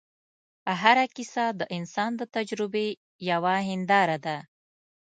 هره کیسه د انسان د تجربې یوه هنداره ده.